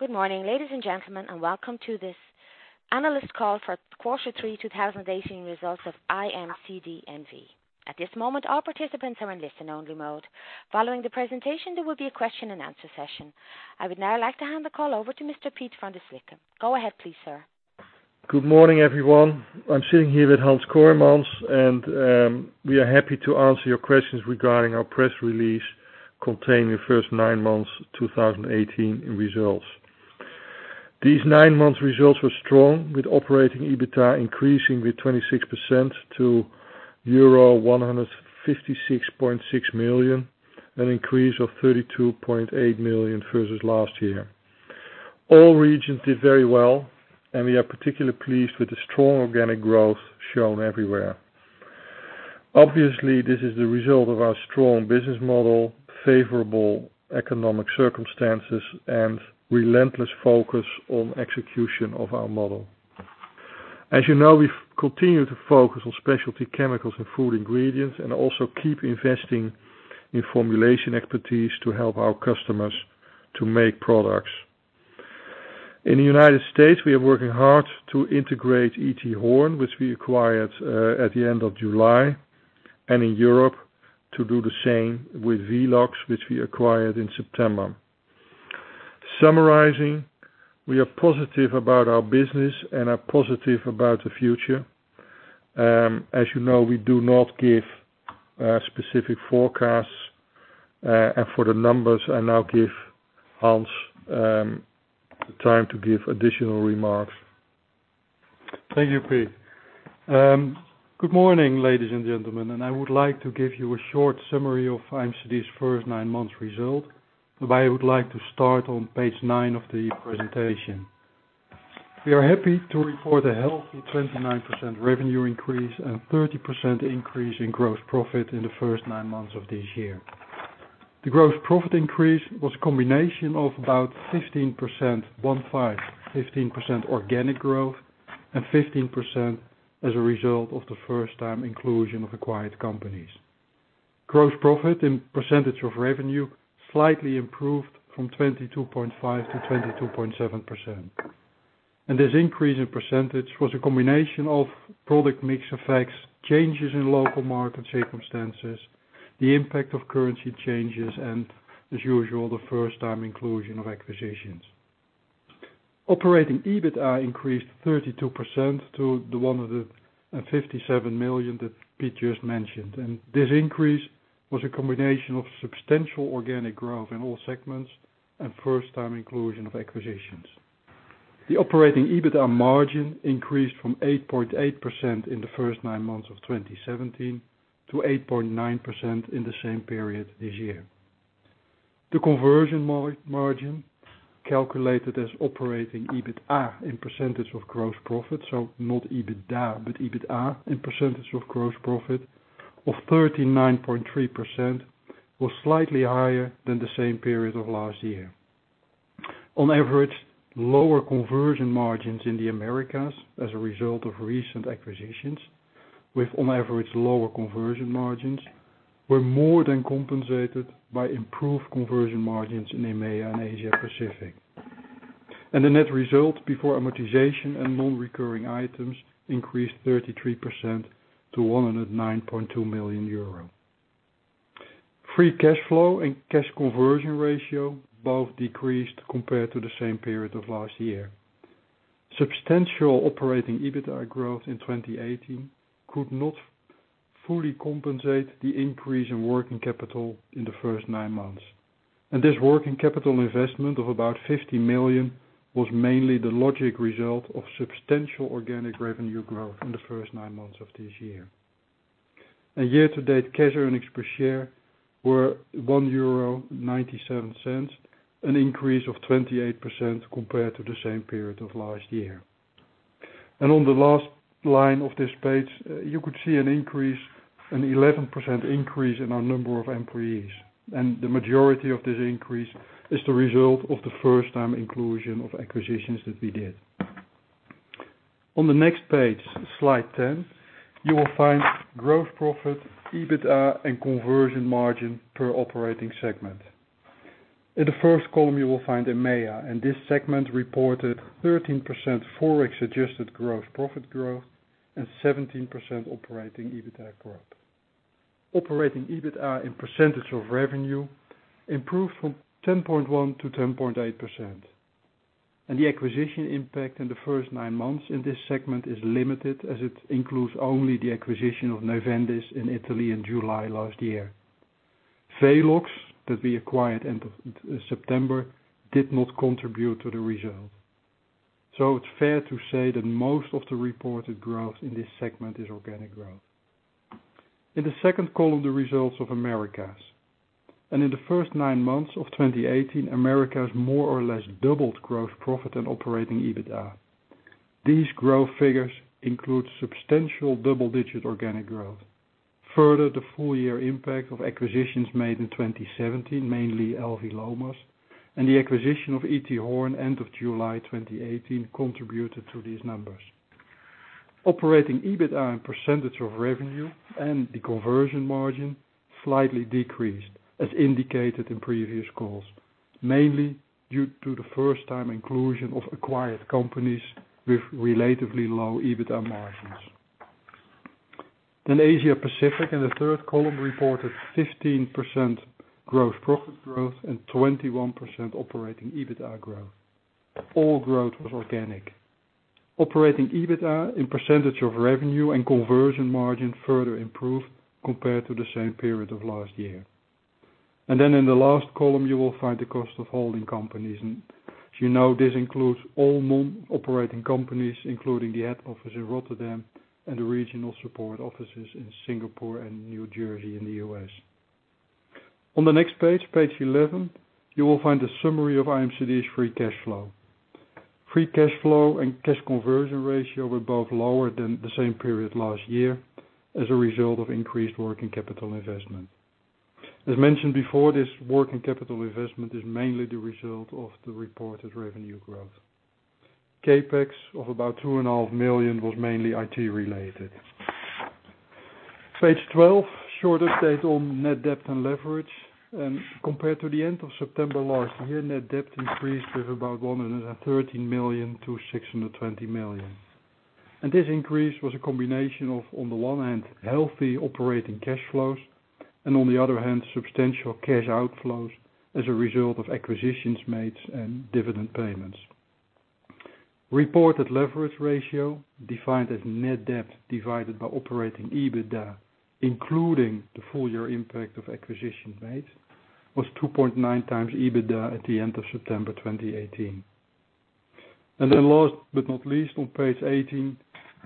Good morning, ladies and gentlemen, and welcome to this analyst call for quarter three 2018 results of IMCD NV. At this moment, all participants are in listen-only mode. Following the presentation, there will be a question-and-answer session. I would now like to hand the call over to Mr. Piet van der Slikke. Go ahead, please, sir. Good morning, everyone. I'm sitting here with Hans Kooijmans, and we are happy to answer your questions regarding our press release containing the first nine months 2018 results. These nine months results were strong, with operating EBITDA increasing with 26% to euro 156.6 million, an increase of 32.8 million versus last year. All regions did very well, and we are particularly pleased with the strong organic growth shown everywhere. Obviously, this is the result of our strong business model, favorable economic circumstances, and relentless focus on execution of our model. As you know, we've continued to focus on specialty chemicals and food ingredients and also keep investing in formulation expertise to help our customers to make products. In the U.S., we are working hard to integrate E.T. Horn, which we acquired at the end of July, and in Europe to do the same with Velox, which we acquired in September. Summarizing, we are positive about our business and are positive about the future. As you know, we do not give specific forecasts. For the numbers, I now give Hans the time to give additional remarks. Thank you, Piet. Good morning, ladies and gentlemen, I would like to give you a short summary of IMCD's first nine months result. I would like to start on page nine of the presentation. We are happy to report a healthy 29% revenue increase and 30% increase in gross profit in the first nine months of this year. The gross profit increase was a combination of about 15% organic growth and 15% as a result of the first-time inclusion of acquired companies. Gross profit in percentage of revenue slightly improved from 22.5% to 22.7%. This increase in percentage was a combination of product mix effects, changes in local market circumstances, the impact of currency changes, and, as usual, the first-time inclusion of acquisitions. Operating EBITDA increased 32% to 157 million that Piet just mentioned. This increase was a combination of substantial organic growth in all segments and first-time inclusion of acquisitions. The operating EBITDA margin increased from 8.8% in the first nine months of 2017 to 8.9% in the same period this year. The conversion margin, calculated as operating EBITDA in percentage of gross profit, so not EBITDA, but EBITDA in percentage of gross profit, of 39.3%, was slightly higher than the same period of last year. On average, lower conversion margins in the Americas as a result of recent acquisitions, with on average lower conversion margins were more than compensated by improved conversion margins in EMEA and Asia Pacific. The net result before amortization and non-recurring items increased 33% to 109.2 million euro. Free cash flow and cash conversion ratio both decreased compared to the same period of last year. Substantial operating EBITDA growth in 2018 could not fully compensate the increase in working capital in the first nine months. This working capital investment of about 50 million was mainly the logic result of substantial organic revenue growth in the first nine months of this year. Year-to-date cash earnings per share were 1.97 euro, an increase of 28% compared to the same period of last year. On the last line of this page, you could see an 11% increase in our number of employees. The majority of this increase is the result of the first-time inclusion of acquisitions that we did. On the next page, slide 10, you will find gross profit, EBITDA, and conversion margin per operating segment. In the first column, you will find EMEA. This segment reported 13% Forex-adjusted gross profit growth and 17% operating EBITDA growth. Operating EBITDA in percentage of revenue improved from 10.1% to 10.8%. The acquisition impact in the first nine months in this segment is limited as it includes only the acquisition of Neuvendis in Italy in July last year. Velox, that we acquired end of September, did not contribute to the result. It's fair to say that most of the reported growth in this segment is organic growth. In the second column, the results of Americas. In the first nine months of 2018, Americas more or less doubled gross profit and operating EBITDA. These growth figures include substantial double-digit organic growth. Further, the full year impact of acquisitions made in 2017, mainly L.V. Lomas, and the acquisition of E.T. Horn end of July 2018 contributed to these numbers. Operating EBITDA in percentage of revenue and the conversion margin slightly decreased as indicated in previous calls, mainly due to the first-time inclusion of acquired companies with relatively low EBITDA margins. Asia Pacific, in the third column, reported 15% gross profit growth and 21% operating EBITDA growth. All growth was organic. Operating EBITDA in percentage of revenue and conversion margin further improved compared to the same period of last year. In the last column, you will find the cost of holding companies. As you know, this includes all non-operating companies, including the head office in Rotterdam and the regional support offices in Singapore and New Jersey in the U.S. On the next page 11, you will find a summary of IMCD's free cash flow. Free cash flow and cash conversion ratio were both lower than the same period last year as a result of increased working capital investment. As mentioned before, this working capital investment is mainly the result of the reported revenue growth. CapEx of about two and a half million was mainly IT related. Page 12, shorter stays on net debt and leverage. Compared to the end of September last year, net debt increased with about 113 million to 620 million. This increase was a combination of, on the one hand, healthy operating cash flows and on the other hand, substantial cash outflows as a result of acquisitions made and dividend payments. Reported leverage ratio defined as net debt divided by operating EBITDA, including the full year impact of acquisition made, was 2.9x EBITDA at the end of September 2018. Last but not least, on page 18,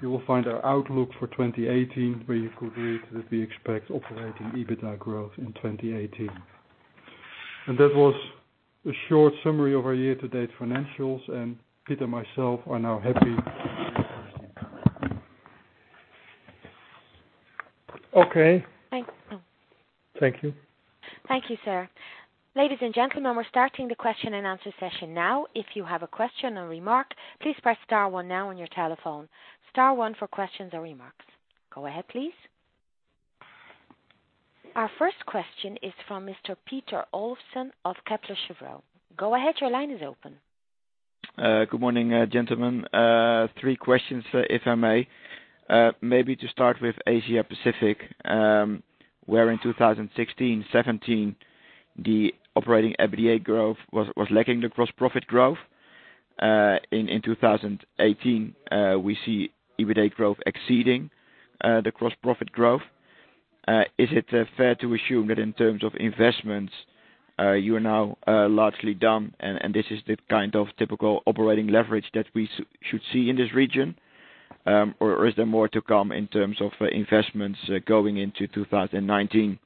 you will find our outlook for 2018, where you could read that we expect operating EBITDA growth in 2018. That was a short summary of our year-to-date financials, and Piet and myself are now happy to take questions. Okay. Thank. Thank you. Thank you, sir. Ladies and gentlemen, we're starting the question and answer session now. If you have a question or remark, please press star one now on your telephone. Star one for questions or remarks. Go ahead, please. Our first question is from Mr. Peter Olsson of Kepler Cheuvreux. Go ahead, your line is open. Good morning, gentlemen. Three questions, if I may. Maybe to start with Asia Pacific, where in 2016, 2017, the operating EBITDA growth was lacking the gross profit growth. In 2018, we see EBITDA growth exceeding the gross profit growth. Is it fair to assume that in terms of investments, you are now largely done, and this is the kind of typical operating leverage that we should see in this region? Or is there more to come in terms of investments going into 2019?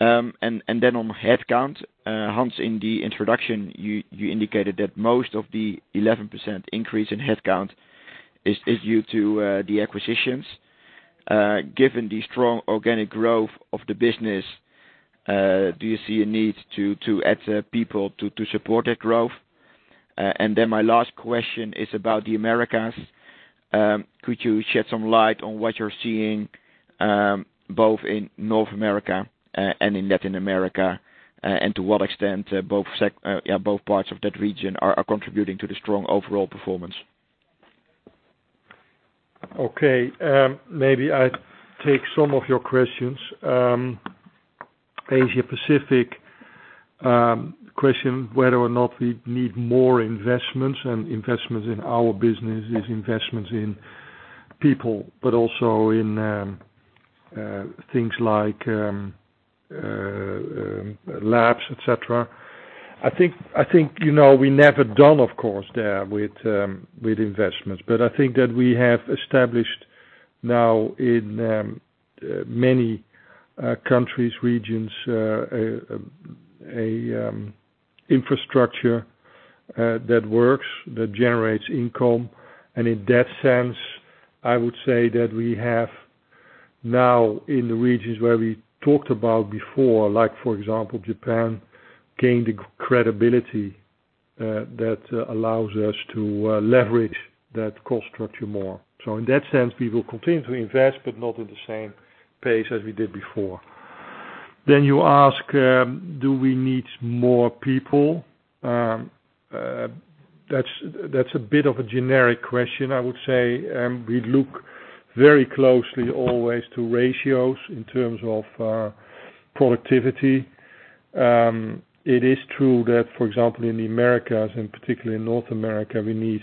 On headcount, Hans, in the introduction, you indicated that most of the 11% increase in headcount is due to the acquisitions. Given the strong organic growth of the business, do you see a need to add people to support that growth? My last question is about the Americas. Could you shed some light on what you're seeing both in North America and in Latin America? To what extent both parts of that region are contributing to the strong overall performance? Okay. Maybe I take some of your questions. Asia Pacific, question whether or not we need more investments in our business is investments in people, but also in things like labs, et cetera. I think we never done, of course, there with investments. I think that we have established now in many countries, regions, a infrastructure that works, that generates income. In that sense, I would say that we have now in the regions where we talked about before, like for example, Japan, gained credibility that allows us to leverage that cost structure more. In that sense, we will continue to invest, but not at the same pace as we did before. You ask, do we need more people? That's a bit of a generic question, I would say. We look very closely always to ratios in terms of productivity. It is true that, for example, in the Americas and particularly in North America, we need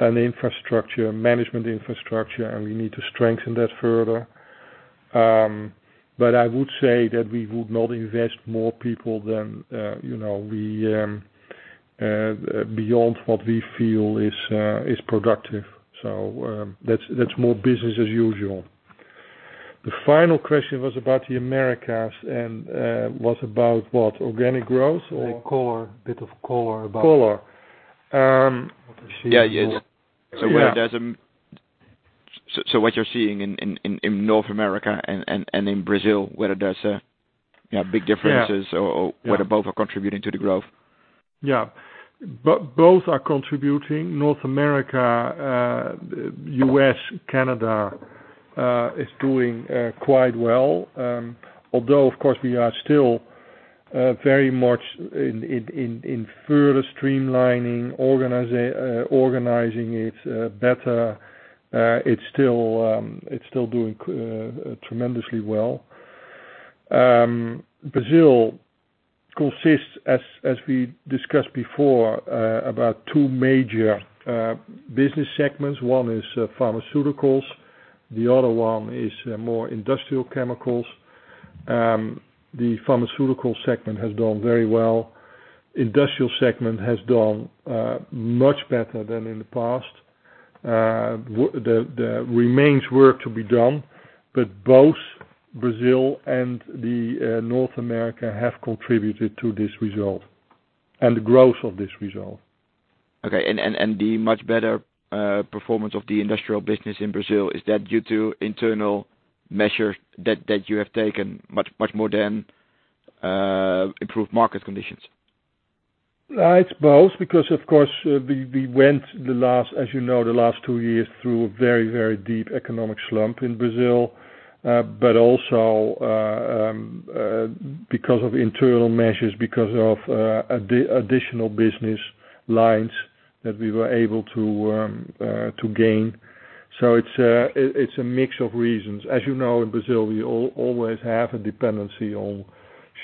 an infrastructure, management infrastructure, we need to strengthen that further. I would say that we would not invest more people than beyond what we feel is productive. That's more business as usual. The final question was about the Americas and was about what? Organic growth? Color. What you're seeing in North America and in Brazil, whether there is big differences or whether both are contributing to the growth? Both are contributing. North America, U.S., Canada, is doing quite well. Of course, we are still very much in further streamlining, organizing it better. It is still doing tremendously well. Brazil consists, as we discussed before, about two major business segments. One is pharmaceuticals, the other one is more industrial chemicals. The pharmaceutical segment has done very well. Industrial segment has done much better than in the past. There remains work to be done, both Brazil and North America have contributed to this result and the growth of this result. The much better performance of the industrial business in Brazil, is that due to internal measures that you have taken much more than improved market conditions? It is both because, of course, we went, as you know, the last two years, through a very, very deep economic slump in Brazil. Also, because of internal measures, because of additional business lines that we were able to gain. It is a mix of reasons. As you know, in Brazil, we always have a dependency on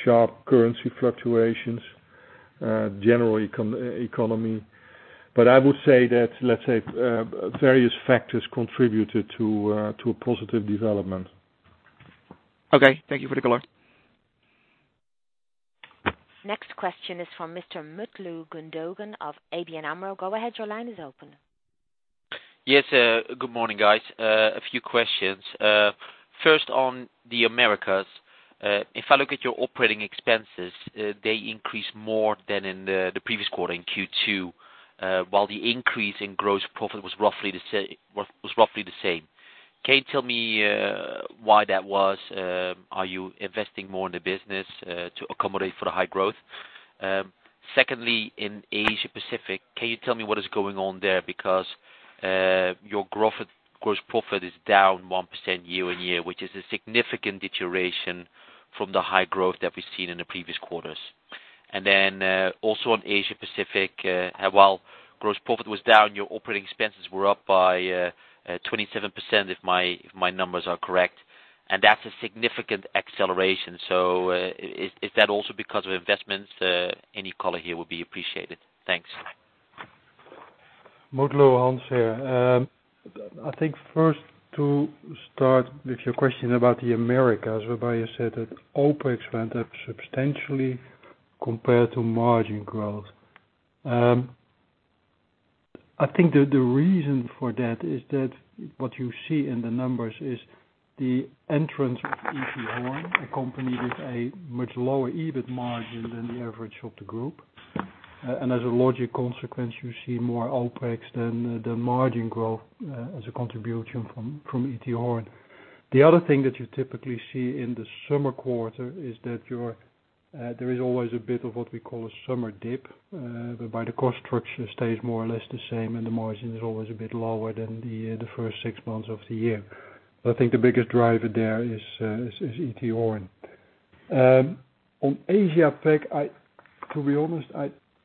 sharp currency fluctuations, general economy. I would say that, let's say, various factors contributed to a positive development. Okay. Thank you for the color. Next question is from Mr. Mutlu Gundogan of ABN AMRO. Go ahead, your line is open. Yes, good morning, guys. A few questions. First on the Americas. If I look at your operating expenses, they increased more than in the previous quarter, in Q2, while the increase in gross profit was roughly the same. Can you tell me why that was? Are you investing more in the business to accommodate for the high growth? Secondly, in Asia Pacific, can you tell me what is going on there? Because your gross profit is down 1% year-on-year, which is a significant deterioration from the high growth that we've seen in the previous quarters. Then, also on Asia Pacific, while gross profit was down, your operating expenses were up by 27%, if my numbers are correct. That's a significant acceleration. Is that also because of investments? Any color here will be appreciated. Thanks. Mutlu, Hans here. I think first to start with your question about the Americas, whereby you said that OPEX went up substantially compared to margin growth. I think the reason for that is that what you see in the numbers is the entrance of E.T. Horn, a company with a much lower EBIT margin than the average of the group. As a logic consequence, you see more OPEX than the margin growth as a contribution from E.T. Horn. The other thing that you typically see in the summer quarter is that there is always a bit of what we call a summer dip, whereby the cost structure stays more or less the same, and the margin is always a bit lower than the first six months of the year. I think the biggest driver there is E.T. Horn. On Asia Pac, to be honest,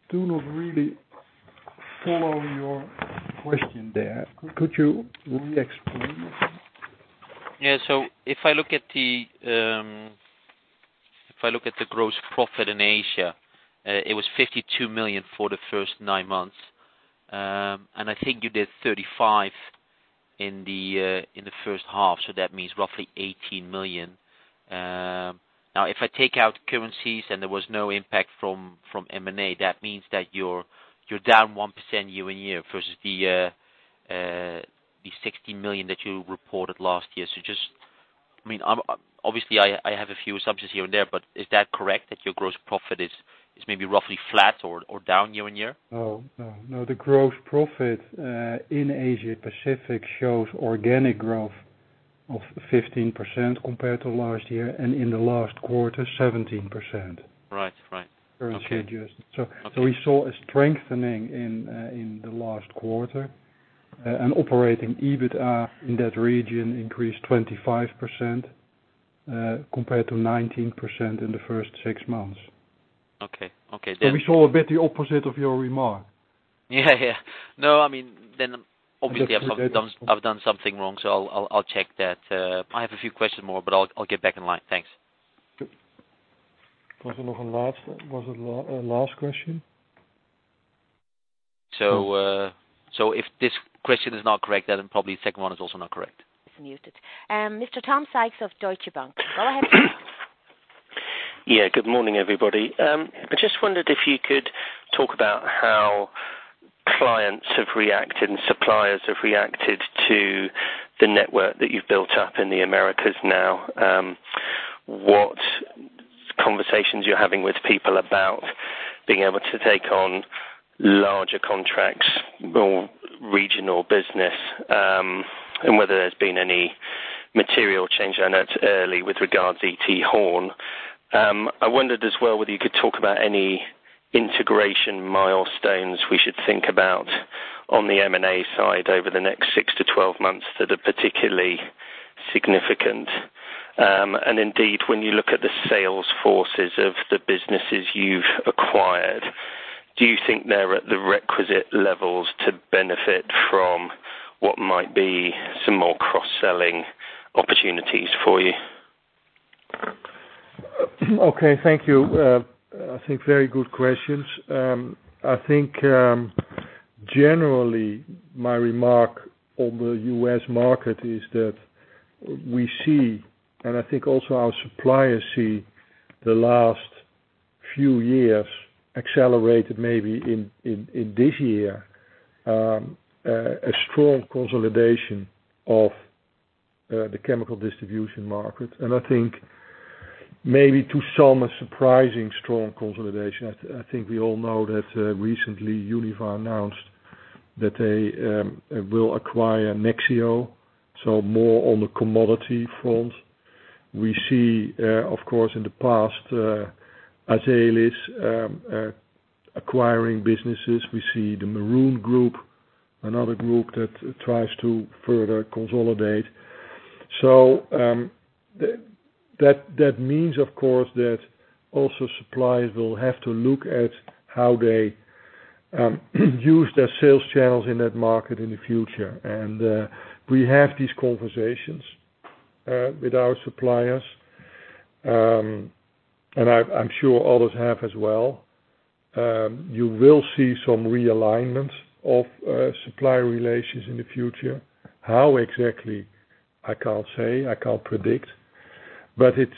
I do not really follow your question there. Could you re-explain it? Yeah. If I look at the gross profit in Asia, it was 52 million for the first nine months. I think you did 35 million in the first half, that means roughly 18 million. Now, if I take out currencies and there was no impact from M&A, that means that you're down 1% year-on-year versus the 16 million that you reported last year. Obviously, I have a few assumptions here and there, is that correct that your gross profit is maybe roughly flat or down year-on-year? No. The gross profit in Asia Pacific shows organic growth of 15% compared to last year, in the last quarter, 17%. Right. Okay. Currency adjusted. We saw a strengthening in the last quarter, and operating EBIT in that region increased 25%, compared to 19% in the first six months. Okay. We saw a bit the opposite of your remark. Yeah. No, obviously I've done something wrong, so I'll check that. I have a few questions more, but I'll get back in line. Thanks. Was it last question? If this question is not correct, then probably the second one is also not correct. It's muted. Mr. Tom Sykes of Deutsche Bank. Go ahead. Good morning, everybody. I just wondered if you could talk about how clients have reacted and suppliers have reacted to the network that you've built up in the Americas now. What conversations you're having with people about being able to take on larger contracts or regional business, and whether there's been any material change. I know it's early with regards E.T. Horn. I wondered as well, whether you could talk about any integration milestones we should think about on the M&A side over the next 6 to 12 months that are particularly significant. Indeed, when you look at the sales forces of the businesses you've acquired, do you think they're at the requisite levels to benefit from what might be some more cross-selling opportunities for you? Okay. Thank you. I think very good questions. I think, generally, my remark on the U.S. market is that we see, and I think also our suppliers see, the last few years accelerated maybe in this year, a strong consolidation of the chemical distribution market. I think maybe to some, a surprising strong consolidation. I think we all know that recently Univar announced that they will acquire Nexeo, so more on the commodity front. We see, of course, in the past, Azelis acquiring businesses. We see the Maroon Group, another group that tries to further consolidate. That means, of course, that also suppliers will have to look at how they use their sales channels in that market in the future. We have these conversations with our suppliers, and I'm sure others have as well. You will see some realignment of supplier relations in the future. How exactly, I can't say, I can't predict, but it's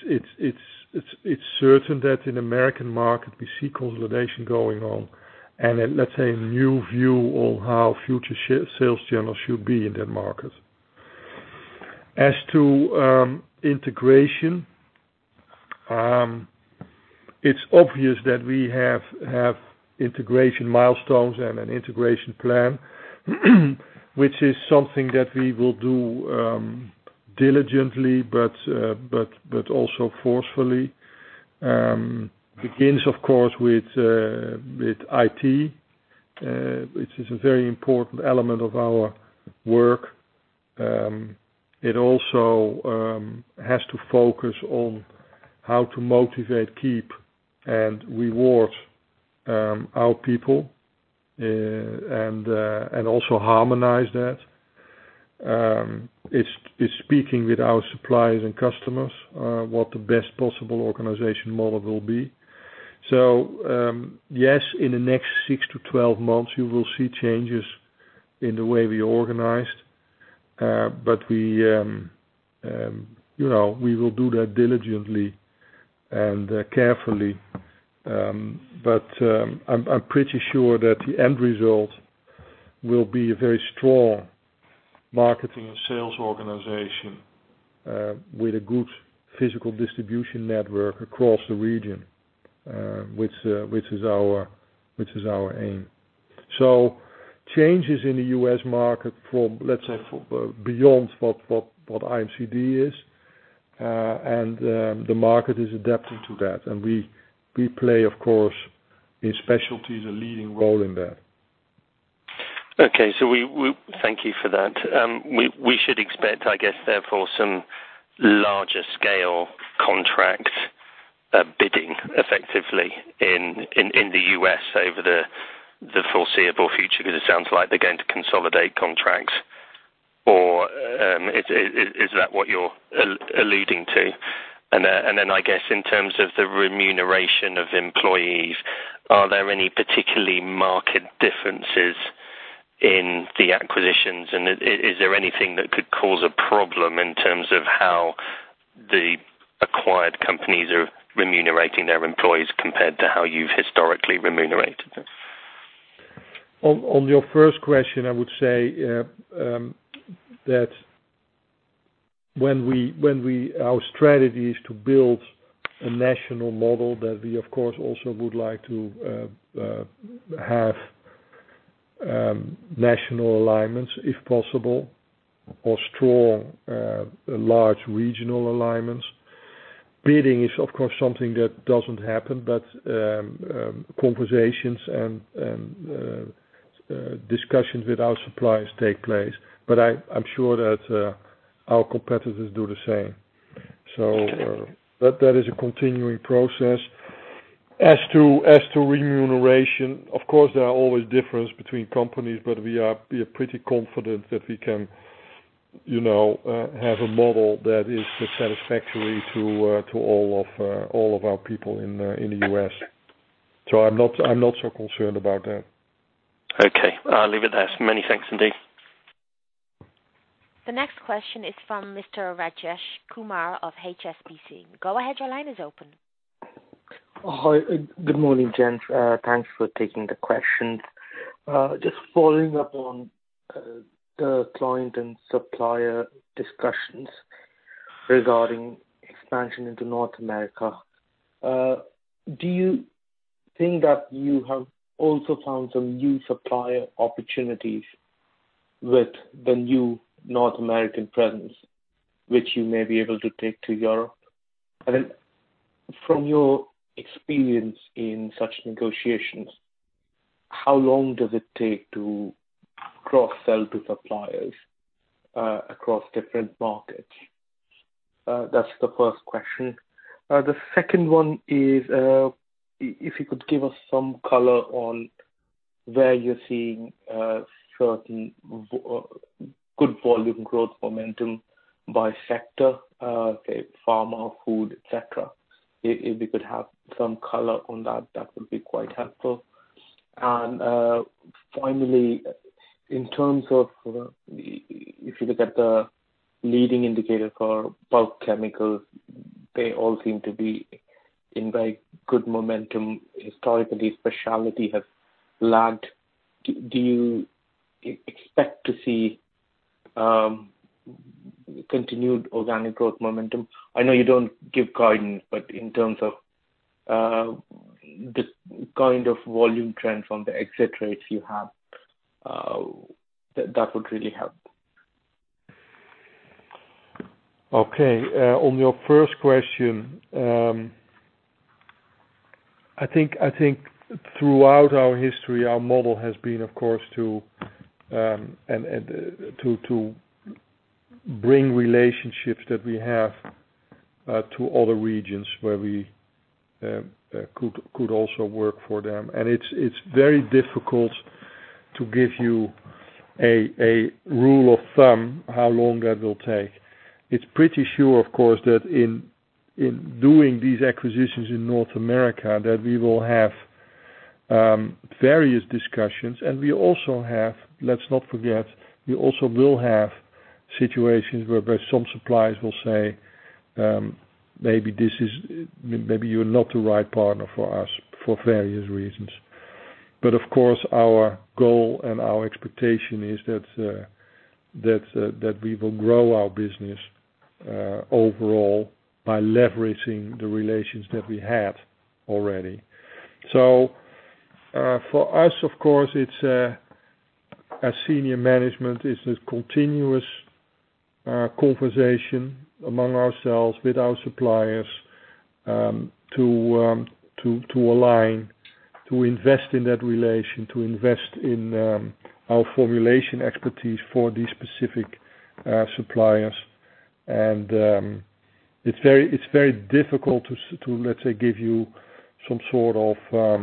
certain that in U.S. market, we see consolidation going on and let's say, a new view on how future sales channels should be in that market. As to integration, it's obvious that we have integration milestones and an integration plan, which is something that we will do diligently but also forcefully. Begins, of course, with IT, which is a very important element of our work. It also has to focus on how to motivate, keep, and reward our people, and also harmonize that. It's speaking with our suppliers and customers, what the best possible organization model will be. Yes, in the next 6 to 12 months, you will see changes in the way we organized. We will do that diligently and carefully. I'm pretty sure that the end result will be a very strong marketing and sales organization, with a good physical distribution network across the region, which is our aim. Changes in the U.S. market from, let's say, beyond what IMCD is, and the market is adapting to that. We play, of course, in specialties, a leading role in that. Okay. Thank you for that. We should expect, I guess, therefore, some larger scale contract bidding effectively in the U.S. over the foreseeable future, because it sounds like they're going to consolidate contracts, or is that what you're alluding to? I guess, in terms of the remuneration of employees, are there any particularly marked differences in the acquisitions, and is there anything that could cause a problem in terms of how the acquired companies are remunerating their employees compared to how you've historically remunerated them? On your first question, I would say that our strategy is to build a national model that we, of course, also would like to have national alignments if possible, or strong, large regional alignments. Bidding is, of course, something that doesn't happen, but conversations and discussions with our suppliers take place. I'm sure that our competitors do the same. That is a continuing process. As to remuneration, of course, there are always difference between companies, but we are pretty confident that we can have a model that is satisfactory to all of our people in the U.S. I'm not so concerned about that. Okay. I'll leave it there. Many thanks indeed. The next question is from Mr. Rajesh Kumar of HSBC. Go ahead, your line is open. Hi. Good morning, gents. Thanks for taking the questions. Just following up on the client and supplier discussions regarding expansion into North America, do you think that you have also found some new supplier opportunities with the new North American presence, which you may be able to take to Europe? From your experience in such negotiations, how long does it take to cross-sell to suppliers, across different markets? That's the first question. The second one is, if you could give us some color on where you're seeing certain good volume growth momentum by sector, say, pharma, food, et cetera. If you could have some color on that would be quite helpful. Finally, in terms of if you look at the leading indicator for bulk chemicals, they all seem to be in very good momentum. Historically, specialty has lagged. Do you expect to see continued organic growth momentum? I know you don't give guidance, in terms of the kind of volume trend from the exit rates you have, that would really help. Okay. On your first question, I think throughout our history, our model has been, of course, to bring relationships that we have to other regions where we could also work for them. It's very difficult to give you a rule of thumb how long that will take. It's pretty sure, of course, that in doing these acquisitions in North America, that we will have various discussions. Let's not forget, we also will have situations where some suppliers will say, "Maybe you're not the right partner for us," for various reasons. Of course, our goal and our expectation is that we will grow our business overall by leveraging the relations that we had already. For us, of course, as senior management, it's a continuous conversation among ourselves, with our suppliers, to align, to invest in that relation, to invest in our formulation expertise for these specific suppliers. It's very difficult to, let's say, give you some sort of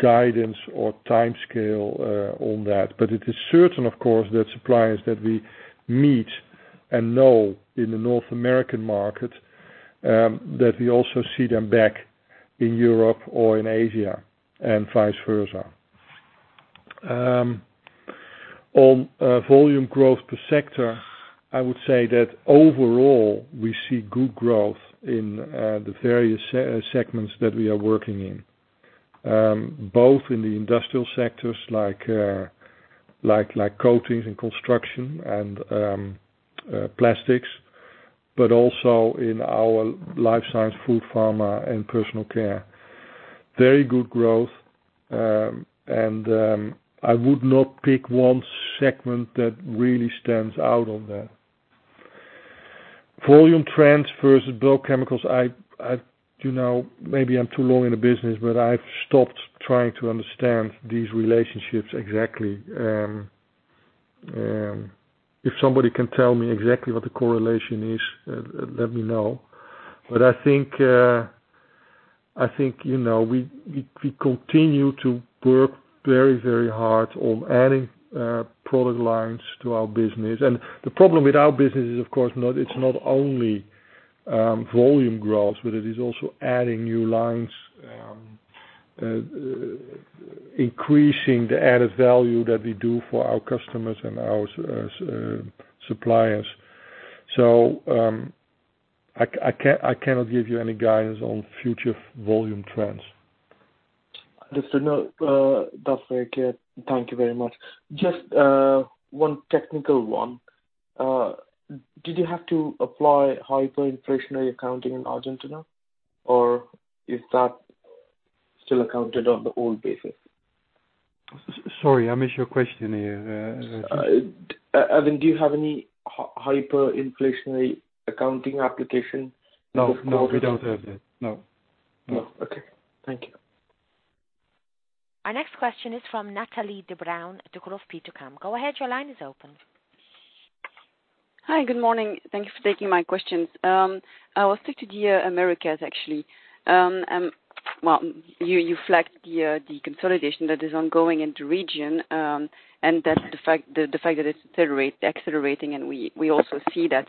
guidance or timescale on that. It is certain, of course, that suppliers that we meet and know in the North American market, that we also see them back in Europe or in Asia and vice versa. On volume growth per sector, I would say that overall, we see good growth in the various segments that we are working in. Both in the industrial sectors like coatings and construction and plastics, but also in our life science, food, pharma, and personal care. Very good growth, I would not pick one segment that really stands out on that. Volume trends versus bulk chemicals, maybe I'm too long in the business, I've stopped trying to understand these relationships exactly. If somebody can tell me exactly what the correlation is, let me know. I think we continue to work very hard on adding product lines to our business. The problem with our business is, of course, it's not only volume growth, but it is also adding new lines, increasing the added value that we do for our customers and our suppliers. I cannot give you any guidance on future volume trends. That's very clear. Thank you very much. Just one technical one. Did you have to apply hyperinflationary accounting in Argentina, or is that still accounted on the old basis? Sorry, I missed your question here. Evan, do you have any hyperinflationary accounting application? No, we don't have that. No. No. Okay. Thank you. Our next question is from Nathalie de Brouwer at Degroof Petercam. Go ahead, your line is open. Hi. Good morning. Thank you for taking my questions. I will stick to the Americas, actually. Well, you flagged the consolidation that is ongoing in the region, and the fact that it's accelerating, and we also see that.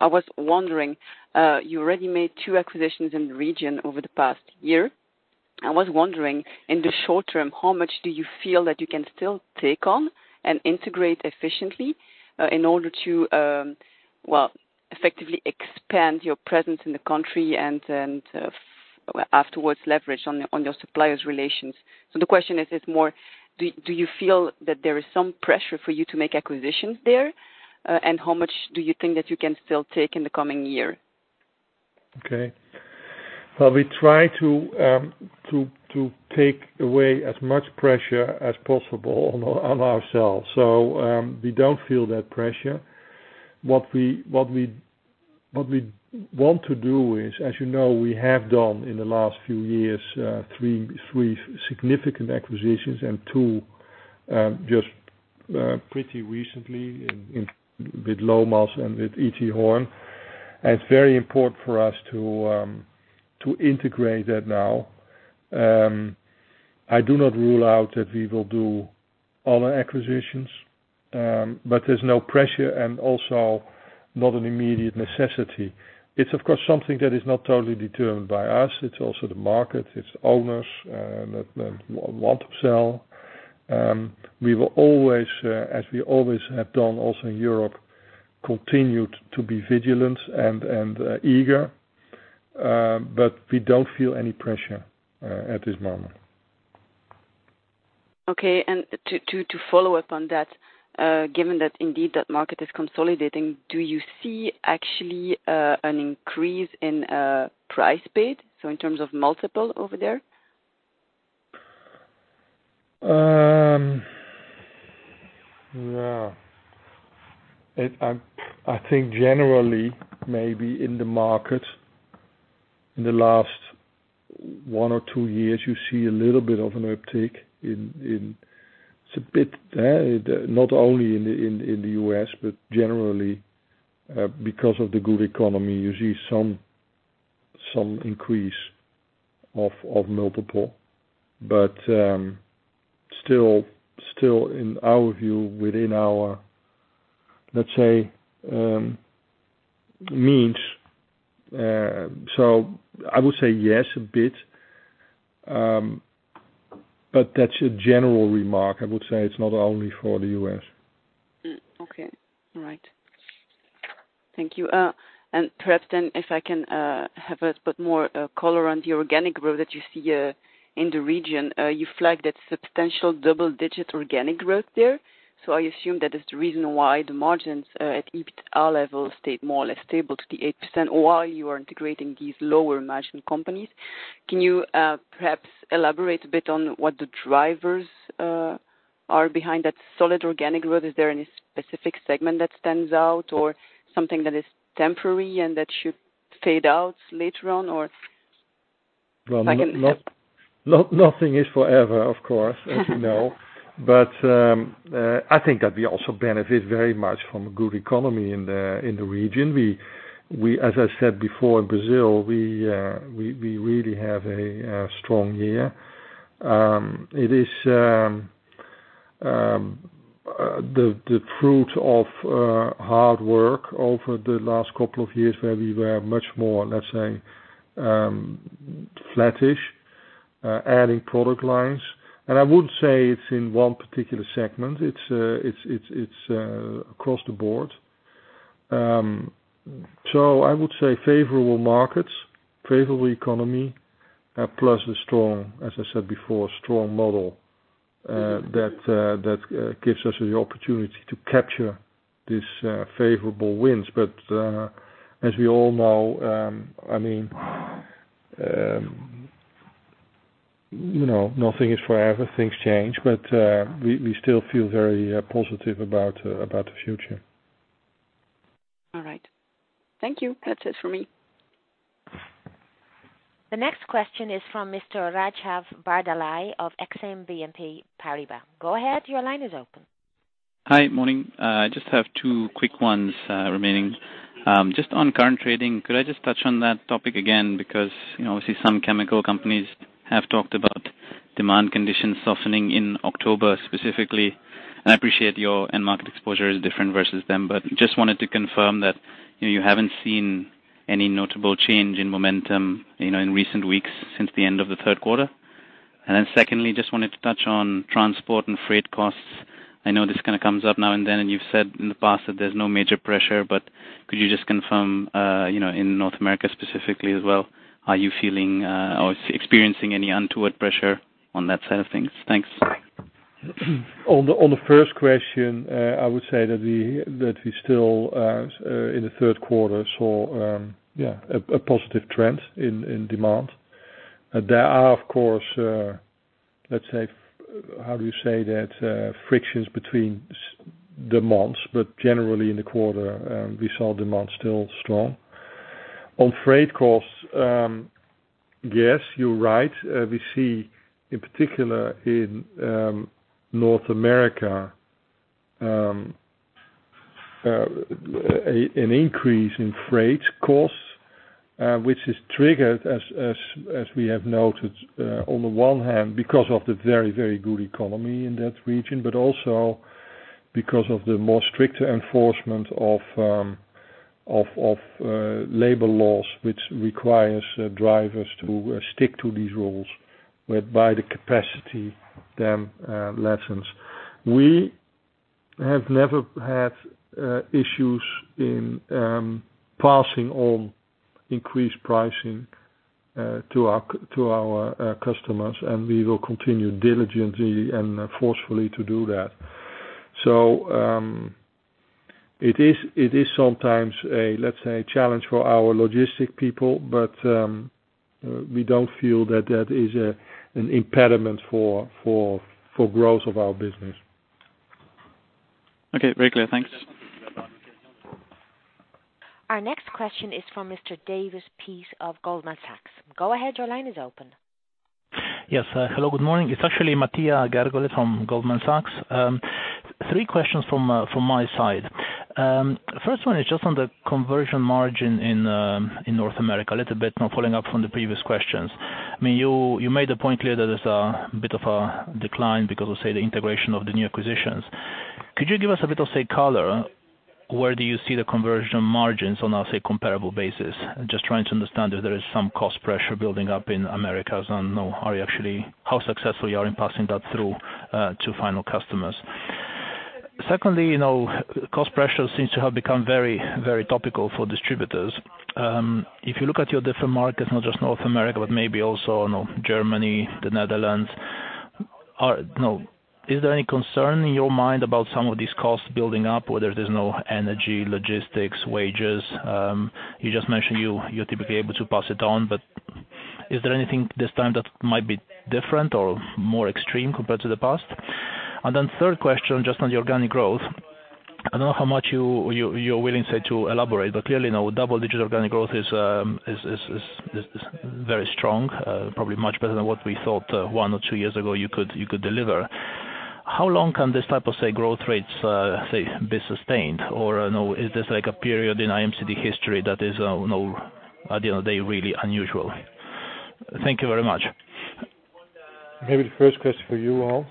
I was wondering, you already made two acquisitions in the region over the past year. I was wondering, in the short term, how much do you feel that you can still take on and integrate efficiently, in order to effectively expand your presence in the country and afterwards leverage on your suppliers' relations. The question is more, do you feel that there is some pressure for you to make acquisitions there? How much do you think that you can still take in the coming year? Okay. Well, we try to take away as much pressure as possible on ourselves. We don't feel that pressure. What we want to do is, as you know, we have done in the last few years, three significant acquisitions and two just pretty recently in with L.V. Lomas and with E.T. Horn. It's very important for us to integrate that now. I do not rule out that we will do other acquisitions. There's no pressure and also not an immediate necessity. It's of course something that is not totally determined by us, it's also the market, it's owners that want to sell. We will always, as we always have done also in Europe, continued to be vigilant and eager. We don't feel any pressure at this moment. Okay. To follow up on that, given that indeed that market is consolidating, do you see actually, an increase in price paid, in terms of multiple over there? Yeah. I think generally, maybe in the market in the last one or two years, you see a little bit of an uptick. It's a bit there, not only in the U.S. but generally, because of the good economy, you see some increase of multiple. Still in our view, within our, let's say, means. I would say yes, a bit. That's a general remark, I would say. It's not only for the U.S. Okay. All right. Thank you. Perhaps then if I can have a bit more color on the organic growth that you see in the region. You flagged that substantial double-digit organic growth there. I assume that is the reason why the margins at EBITDA level stayed more or less stable to the 8% while you are integrating these lower margin companies. Can you perhaps elaborate a bit on what the drivers are behind that solid organic growth? Is there any specific segment that stands out or something that is temporary and that should fade out later on or? Nothing is forever, of course, as you know. I think that we also benefit very much from a good economy in the region. As I said before in Brazil, we really have a strong year. It is the fruit of hard work over the last couple of years, where we were much more, let's say, flattish, adding product lines. I wouldn't say it's in one particular segment. It's across the board. I would say favorable markets, favorable economy, plus the strong, as I said before, strong model, that gives us the opportunity to capture these favorable winds. As we all know, nothing is forever. Things change. We still feel very positive about the future. All right. Thank you. That's it for me. The next question is from Mr. Rajeev Bardalai of Exane BNP Paribas. Go ahead, your line is open. Hi. Morning. I just have two quick ones remaining. Just on current trading, could I just touch on that topic again? Obviously some chemical companies have talked about demand conditions softening in October specifically. I appreciate your end market exposure is different versus them, but just wanted to confirm that you haven't seen any notable change in momentum in recent weeks since the end of the third quarter. Secondly, just wanted to touch on transport and freight costs. I know this kind of comes up now and then, and you've said in the past that there's no major pressure, but could you just confirm, in North America specifically as well, are you feeling, or experiencing any untoward pressure on that side of things? Thanks. On the first question, I would say that we still, in the third quarter, saw a positive trend in demand. There are, of course, how do you say that, frictions between demands, but generally in the quarter, we saw demand still strong. On freight costs, yes, you're right. We see in particular in North America, an increase in freight costs, which is triggered as we have noted, on the one hand because of the very, very good economy in that region, but also because of the more stricter enforcement of labor laws, which requires drivers to stick to these rules, whereby the capacity then lessens. We have never had issues in passing on increased pricing to our customers, and we will continue diligently and forcefully to do that. It is sometimes, let's say, a challenge for our logistic people, but we don't feel that is an impediment for growth of our business. Okay, very clear. Thanks. Our next question is from Mr. [Davis Peese] of Goldman Sachs. Go ahead, your line is open. Yes. Hello, good morning. It's actually Mattia Gergole from Goldman Sachs. Three questions from my side. First one is just on the conversion margin in North America, a little bit now following up from the previous questions. You made the point clear that there's a bit of a decline because of, say, the integration of the new acquisitions. Could you give us a bit of, say, color? Where do you see the conversion margins on a, say, comparable basis? Just trying to understand if there is some cost pressure building up in Americas and how successful you are in passing that through to final customers. Secondly, cost pressure seems to have become very, very topical for distributors. If you look at your different markets, not just North America, but maybe also Germany, the Netherlands. Is there any concern in your mind about some of these costs building up, whether there's energy, logistics, wages? You just mentioned you're typically able to pass it on, but is there anything this time that might be different or more extreme compared to the past? Third question, just on the organic growth. I don't know how much you're willing, say, to elaborate, but clearly, double-digit organic growth is very strong. Probably much better than what we thought one or two years ago you could deliver. How long can this type of, say, growth rates, say, be sustained? Or is this like a period in IMCD history that is, at the end of the day, really unusual? Thank you very much. Maybe the first question for you, Hans.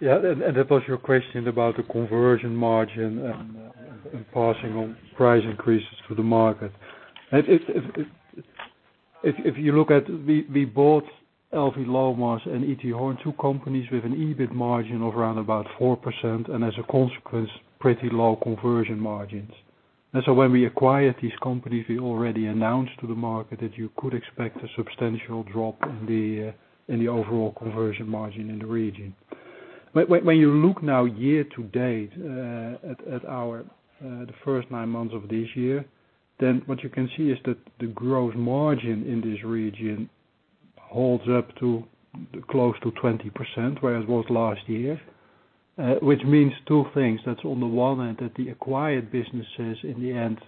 Yeah, that was your question about the conversion margin and passing on price increases to the market. If you look at, we bought L.V. Lomas and E.T. Horn, two companies with an EBIT margin of around about 4%, and as a consequence, pretty low conversion margins. When we acquired these companies, we already announced to the market that you could expect a substantial drop in the overall conversion margin in the region. What you can see now year to date at the first nine months of this year is that the gross margin in this region holds up to close to 20%, whereas it was last year. Which means two things. That on the one hand, that the acquired businesses in the end,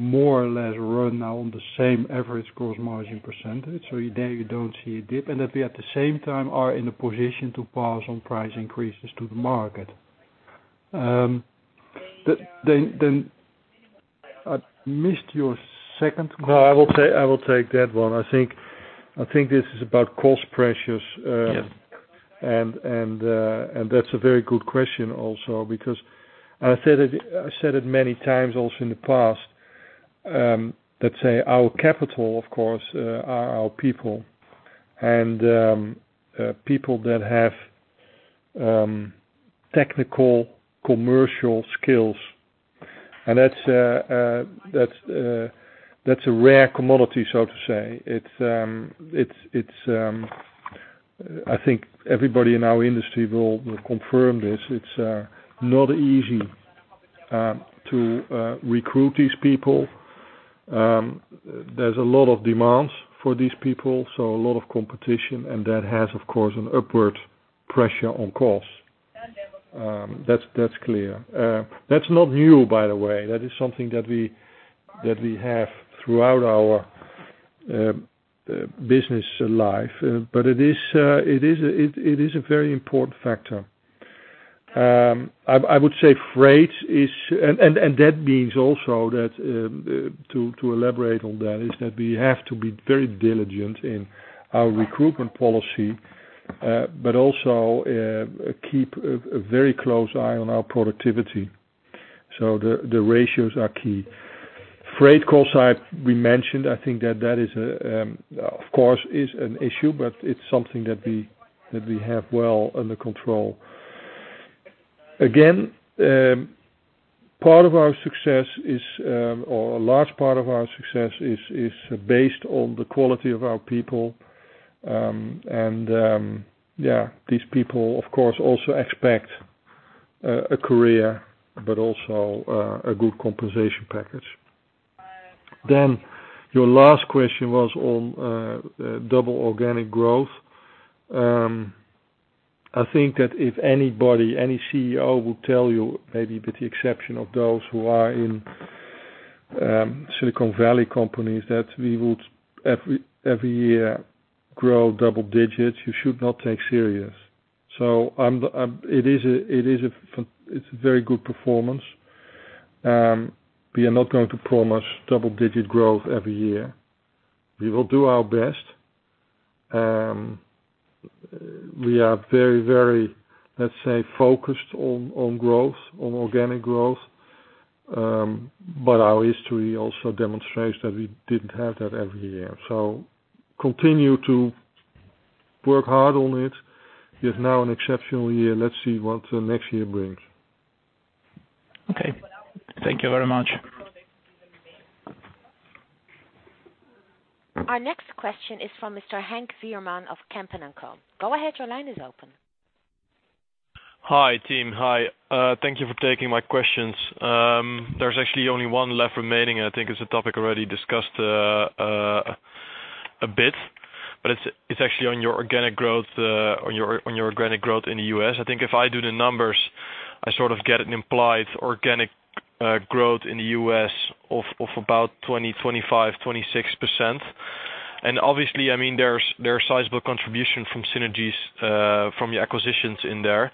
more or less run now on the same average gross margin percentage, so there you don't see a dip. That we at the same time are in a position to pass on price increases to the market. I missed your second question. No, I will take that one. I think this is about cost pressures. Yes. That's a very good question also, because I said it many times also in the past, let's say our capital, of course, are our people and people that have technical commercial skills and that's a rare commodity, so to say. I think everybody in our industry will confirm this. It's not easy to recruit these people. There's a lot of demands for these people, so a lot of competition. That has, of course, an upward pressure on costs. That's clear. That's not new, by the way. That is something that we have throughout our business life. It is a very important factor. I would say freight is. That means also that, to elaborate on that, is that we have to be very diligent in our recruitment policy. Also keep a very close eye on our productivity. The ratios are key. Freight cost side, we mentioned, I think that is, of course, an issue, but it's something that we have well under control. Again, part of our success is or a large part of our success is based on the quality of our people. These people, of course, also expect a career, but also a good compensation package. Your last question was on double organic growth. I think that if anybody, any CEO, will tell you, maybe with the exception of those who are in Silicon Valley companies, that we would every year grow double digits, you should not take serious. It's a very good performance. We are not going to promise double-digit growth every year. We will do our best. We are very, let's say, focused on growth, on organic growth. Our history also demonstrates that we didn't have that every year. Continue to work hard on it. It's now an exceptional year. Let's see what next year brings. Okay. Thank you very much. Our next question is from Mr. Henk Veerman of Kempen & Co. Go ahead, your line is open. Hi, team. Hi. Thank you for taking my questions. There's actually only one left remaining, and I think it's a topic already discussed a bit, but it's actually on your organic growth in the U.S. I think if I do the numbers, I sort of get an implied organic growth in the U.S. of about 20, 25, 26%. Obviously, there's sizable contribution from synergies from your acquisitions in there.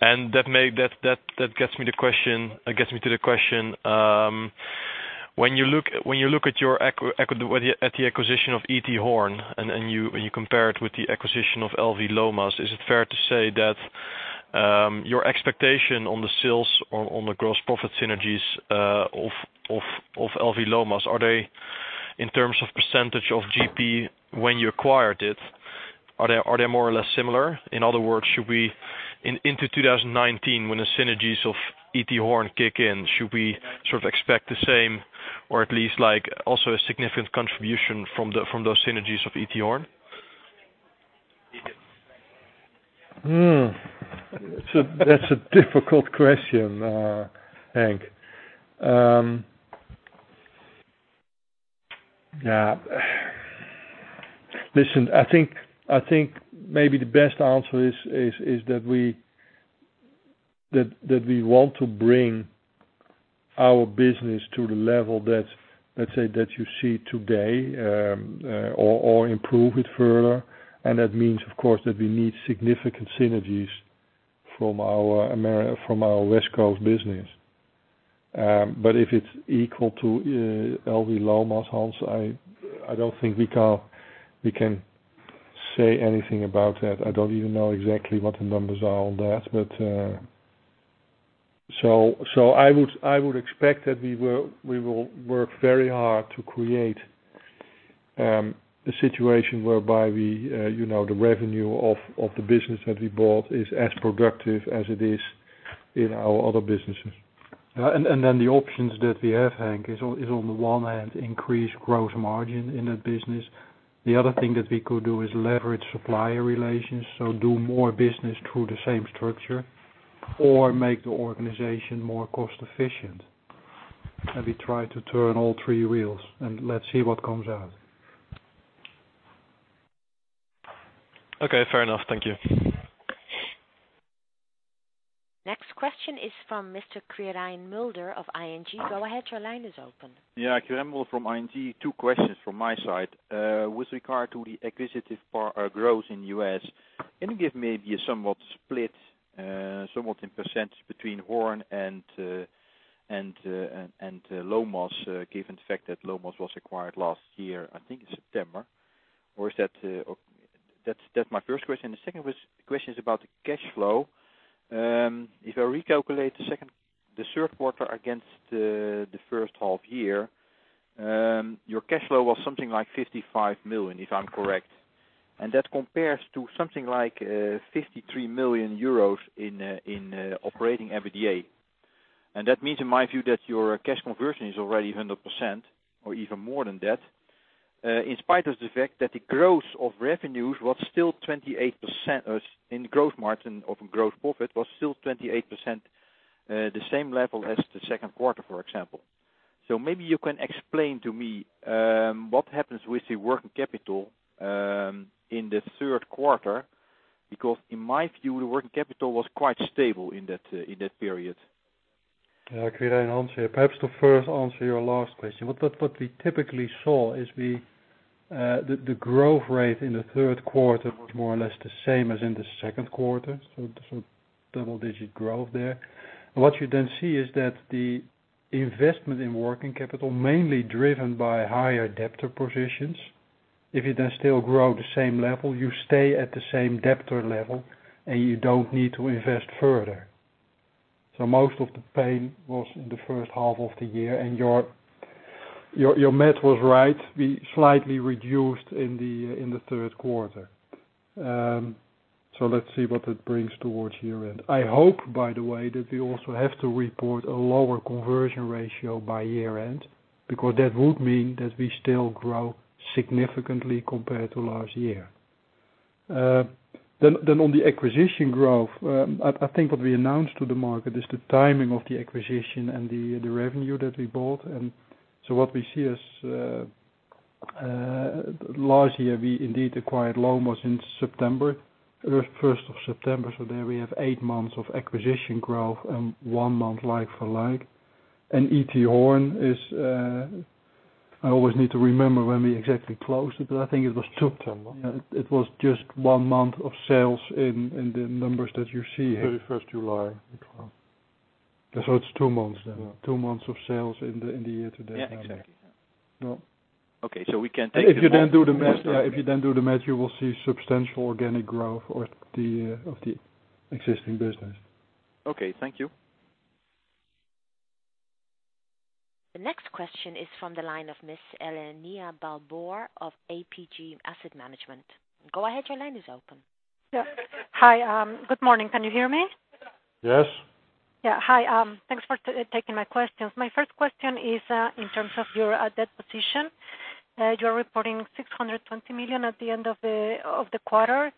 That gets me to the question, when you look at the acquisition of E.T. Horn and you compare it with the acquisition of L.V. Lomas, is it fair to say that your expectation on the sales or on the gross profit synergies of L.V. Lomas, are they, in terms of percentage of GP when you acquired it, are they more or less similar? In other words, should we, into 2019, when the synergies of E.T. Horn kick in, should we sort of expect the same or at least also a significant contribution from those synergies of E.T. Horn? Hmm. That's a difficult question, Henk. Listen, I think maybe the best answer is that we want to bring our business to the level, let's say, that you see today or improve it further. That means, of course, that we need significant synergies from our West Coast business. If it's equal to L.V. Lomas, Hans, I don't think we can say anything about that. I don't even know exactly what the numbers are on that. I would expect that we will work very hard to create a situation whereby the revenue of the business that we bought is as productive as it is in our other businesses. The options that we have, Henk, is on the one hand, increase gross margin in that business. The other thing that we could do is leverage supplier relations, do more business through the same structure or make the organization more cost-efficient. We try to turn all three wheels, let's see what comes out. Okay, fair enough. Thank you. Next question is from Mr. Quirijn Mulder of ING. Go ahead, your line is open. Quirijn Mulder from ING. Two questions from my side. With regard to the acquisitive growth in U.S., can you give maybe a somewhat split, somewhat in percentage between Horn and Lomas, given the fact that Lomas was acquired last year, I think in September. That's my first question. The second question is about the cash flow. If I recalculate the third quarter against the first half year, your cash flow was something like 55 million, if I'm correct, and that compares to something like 53 million euros in operating EBITDA. That means, in my view, that your cash conversion is already 100% or even more than that, in spite of the fact that the growth of revenues was still 28%, in gross margin of gross profit was still 28%, the same level as the second quarter, for example. Maybe you can explain to me what happens with the working capital in the third quarter, because in my view, the working capital was quite stable in that period. Quirijn, Hans here. Perhaps to first answer your last question. What we typically saw is the growth rate in the third quarter was more or less the same as in the second quarter, so double-digit growth there. You see is that the investment in working capital, mainly driven by higher debtor positions. If you still grow the same level, you stay at the same debtor level, and you don't need to invest further. Most of the pain was in the first half of the year, and your math was right. We slightly reduced in the third quarter. Let's see what that brings towards year-end. I hope, by the way, that we also have to report a lower cash conversion ratio by year-end, because that would mean that we still grow significantly compared to last year. On the acquisition growth, I think what we announced to the market is the timing of the acquisition and the revenue that we bought. What we see is, last year, we indeed acquired Lomas in September, 1st of September. There we have eight months of acquisition growth and one month like for like. E.T. Horn is, I always need to remember when we exactly closed it, but I think it was- September. It was just one month of sales in the numbers that you see. 31st July. It's two months then. Yeah. Two months of sales in the year to date. Yeah, exactly. Okay. If you do the math, you will see substantial organic growth of the existing business. Okay. Thank you. The next question is from the line of Ms. Elena Balboa of APG Asset Management. Go ahead, your line is open. Yeah. Hi. Good morning. Can you hear me? Yes. Yeah. Hi. Thanks for taking my questions. My first question is in terms of your debt position. You are reporting 620 million at the end of the quarter.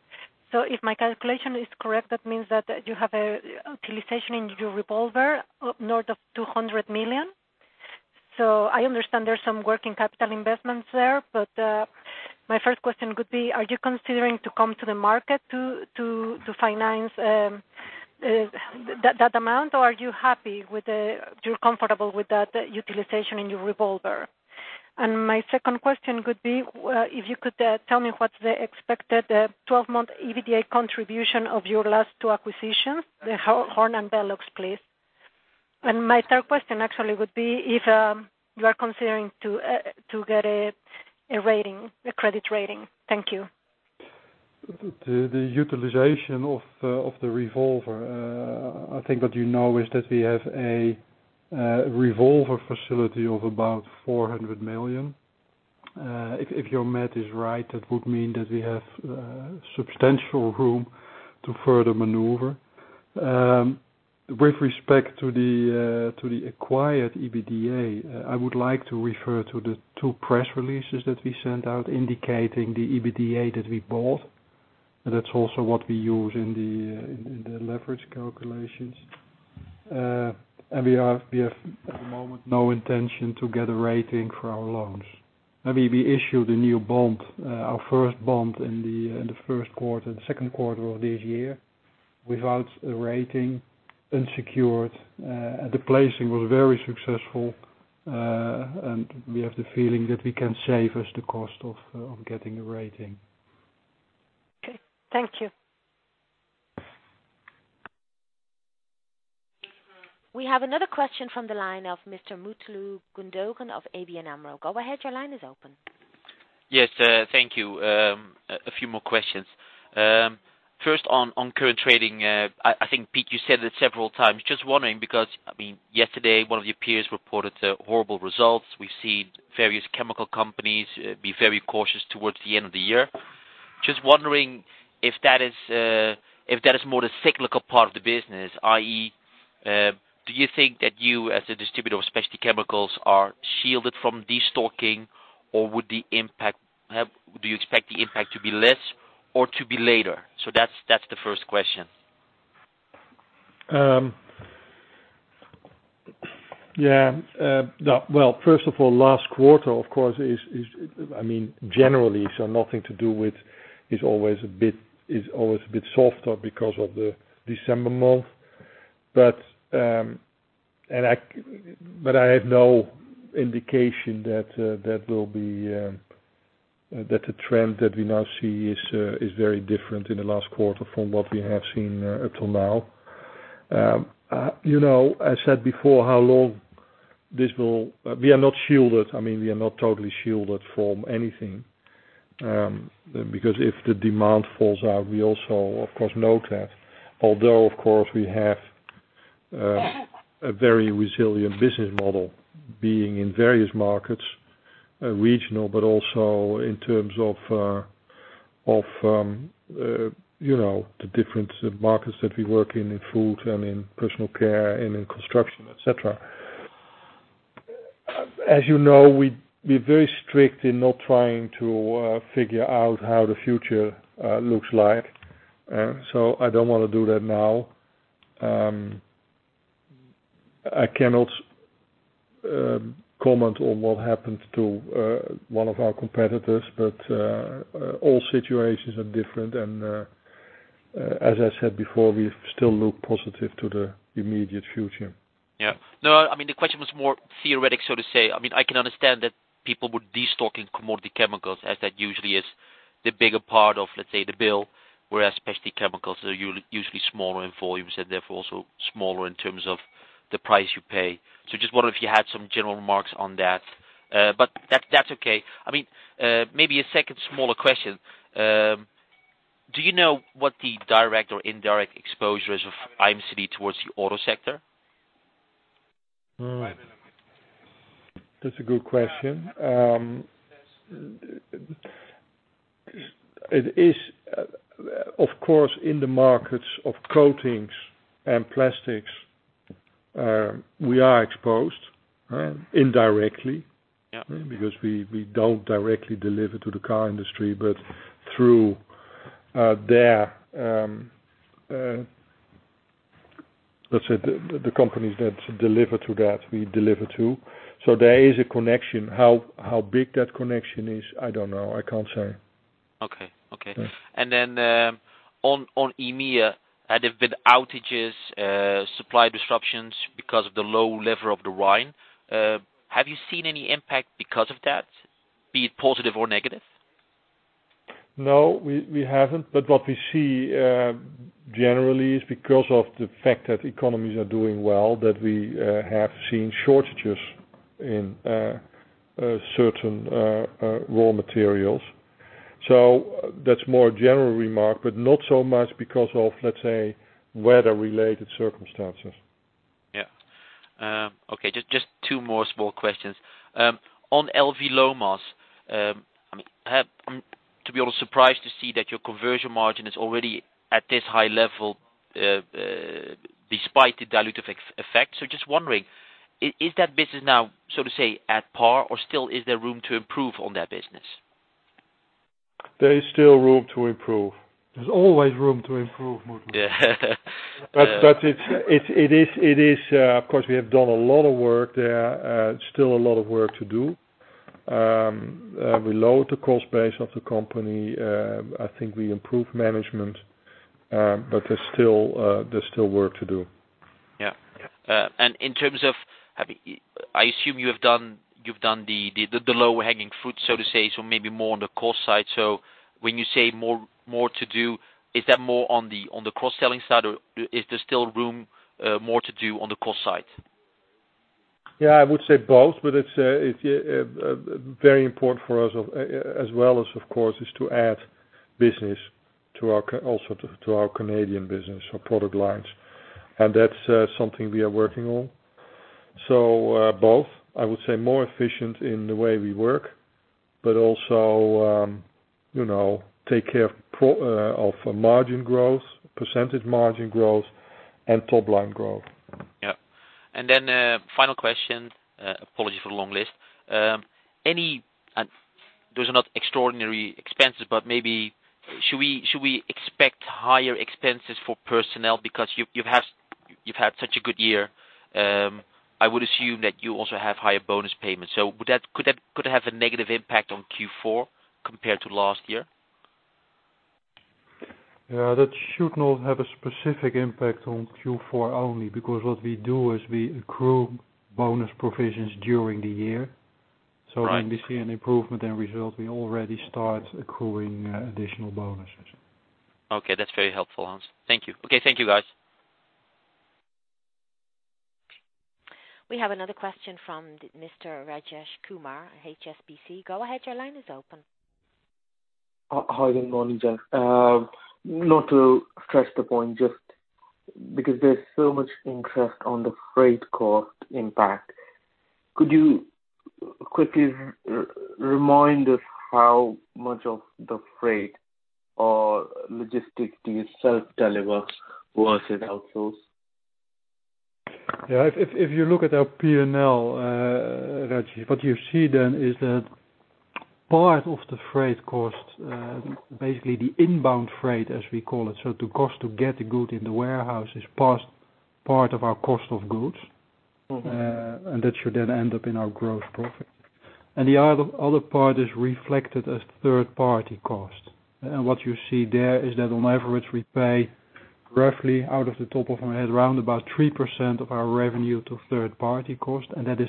If my calculation is correct, that means that you have a utilization in your revolver north of 200 million. I understand there's some working capital investments there, my first question could be, are you comfortable with that utilization in your revolver? My second question could be, if you could tell me what the expected 12-month EBITDA contribution of your last two acquisitions, the Horn and Velox, please. My third question actually would be if you are considering to get a credit rating. Thank you. The utilization of the revolver. I think what you know is that we have a revolver facility of about 400 million. If your math is right, that would mean that we have substantial room to further maneuver. With respect to the acquired EBITDA, I would like to refer to the two press releases that we sent out indicating the EBITDA that we bought. That's also what we use in the leverage calculations. We have at the moment no intention to get a rating for our loans. We issued a new bond, our first bond in the second quarter of this year without a rating, unsecured. The placing was very successful. We have the feeling that we can save us the cost of getting a rating. Okay. Thank you. We have another question from the line of Mr. Mutlu Gundogan of ABN AMRO. Go ahead, your line is open. Yes. Thank you. A few more questions. First on current trading. I think, Piet, you said it several times. Just wondering because, yesterday, one of your peers reported horrible results. We've seen various chemical companies be very cautious towards the end of the year. Just wondering if that is more the cyclical part of the business, i.e., do you think that you, as a distributor of specialty chemicals, are shielded from destocking or do you expect the impact to be less or to be later? That's the first question. First of all, last quarter, of course, generally, nothing to do with, is always a bit softer because of the December month. I have no indication that the trend that we now see is very different in the last quarter from what we have seen until now. I said before, we are not shielded. We are not totally shielded from anything. If the demand falls out, we also, of course, note that. Of course, we have a very resilient business model being in various markets, regional, but also in terms of the different markets that we work in food and in personal care and in construction, et cetera. As you know, we're very strict in not trying to figure out how the future looks like. I don't want to do that now. I cannot comment on what happened to one of our competitors. All situations are different and, as I said before, we still look positive to the immediate future. The question was more theoretical, so to say. I can understand that people would destocking commodity chemicals as that usually is the bigger part of, let's say, the bill, whereas specialty chemicals are usually smaller in volumes and therefore also smaller in terms of the price you pay. Just wonder if you had some general remarks on that. That's okay. Maybe a second smaller question. Do you know what the direct or indirect exposure is of IMCD towards the auto sector? That's a good question. It is, of course, in the markets of coatings and plastics. We are exposed indirectly. Yeah. We don't directly deliver to the car industry, but through their, let's say, the companies that deliver to that, we deliver too. There is a connection. How big that connection is, I don't know. I can't say. Okay. On EMEA, there have been outages, supply disruptions because of the low level of the Rhine. Have you seen any impact because of that, be it positive or negative? No, we haven't. What we see, generally, is because of the fact that economies are doing well, that we have seen shortages in certain raw materials. That's more a general remark, but not so much because of, let's say, weather-related circumstances. Yeah. Okay, just two more small questions. On L.V. Lomas, I'm to be honest surprised to see that your conversion margin is already at this high level, despite the dilutive effect. Just wondering, is that business now, so to say, at par, or still is there room to improve on that business? There is still room to improve. There's always room to improve, Mutlu. Of course, we have done a lot of work there, still a lot of work to do. We lowered the cost base of the company. I think we improved management. There's still work to do. Yeah. Yeah. In terms of-- I assume you've done the low-hanging fruit, so to say, maybe more on the cost side. When you say more to do, is that more on the cross-selling side, or is there still room, more to do on the cost side? I would say both, but it's very important for us as well as, of course, is to add business also to our Canadian business or product lines. That's something we are working on. Both, I would say more efficient in the way we work, but also take care of margin growth, percentage margin growth, and top-line growth. Final question, apologies for the long list. Those are not extraordinary expenses, but maybe should we expect higher expenses for personnel because you've had such a good year? I would assume that you also have higher bonus payments. Could that have a negative impact on Q4 compared to last year? That should not have a specific impact on Q4 only because what we do is we accrue bonus provisions during the year. Right. When we see an improvement in results, we already start accruing additional bonuses. Okay, that's very helpful, Hans. Thank you. Okay, thank you, guys. We have another question from Mr. Rajesh Kumar, HSBC. Go ahead, your line is open. Hi, good morning, gents. Not to stress the point, just because there's so much interest on the freight cost impact. Could you quickly remind us how much of the freight or logistics do you self-deliver versus outsource? Yeah. If you look at our P&L, Rajesh, what you see is that part of the freight cost, basically the inbound freight, as we call it, so the cost to get the good in the warehouse is part of our cost of goods. That should then end up in our gross profit. The other part is reflected as third-party cost. What you see there is that on average, we pay roughly out of the top of my head, around about 3% of our revenue to third-party cost, and that is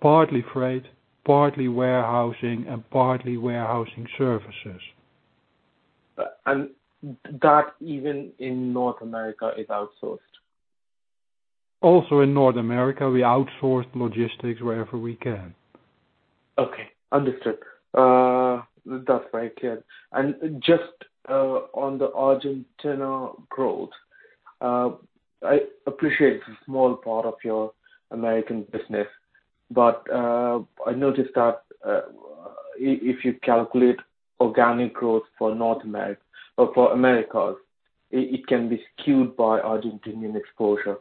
partly freight, partly warehousing, and partly warehousing services. That even in North America is outsourced. Also in North America, we outsource logistics wherever we can. Okay. Understood. That's very clear. Just on the Argentina growth, I appreciate it's a small part of your American business. I noticed that if you calculate organic growth for Americas, it can be skewed by Argentinian exposure.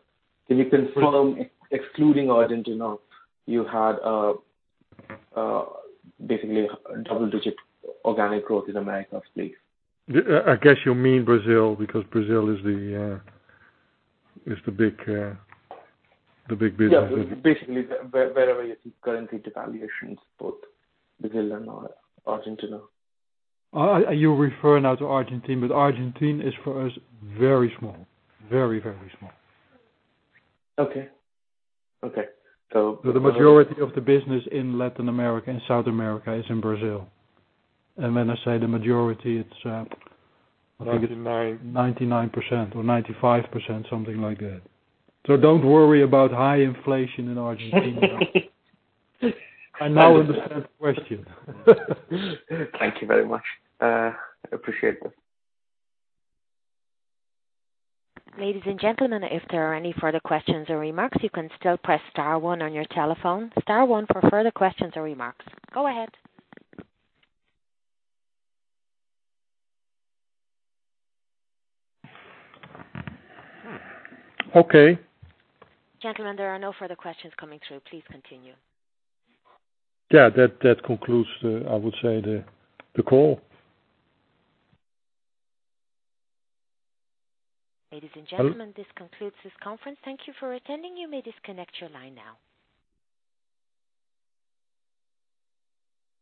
Can you confirm, excluding Argentina, you had basically a double-digit organic growth in Americas, please? I guess you mean Brazil, because Brazil is the big business. Yeah. Basically, wherever you see currency devaluations, both Brazil and Argentina. You refer now to Argentina is for us, very small. Very, very small. Okay. The majority of the business in Latin America and South America is in Brazil. When I say the majority, it's- 99 I think it's 99% or 95%, something like that. Don't worry about high inflation in Argentina. I now understand the question. Thank you very much. I appreciate that. Ladies and gentlemen, if there are any further questions or remarks, you can still press star one on your telephone. Star one for further questions or remarks. Go ahead. Okay. Gentlemen, there are no further questions coming through. Please continue. Yeah, that concludes, I would say, the call. Ladies and gentlemen. Hello? This concludes this conference. Thank you for attending. You may disconnect your line now.